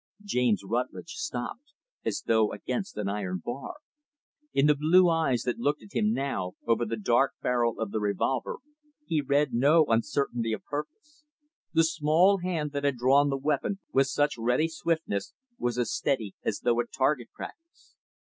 James Rutlidge stopped, as though against an iron bar. In the blue eyes that looked at him, now, over the dark barrel of the revolver, he read no uncertainty of purpose. The small hand that had drawn the weapon with such ready swiftness, was as steady as though at target practice.